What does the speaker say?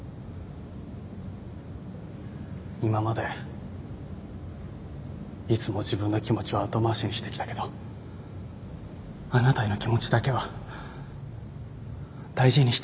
今までいつも自分の気持ちは後回しにしてきたけどあなたへの気持ちだけは大事にしたいから。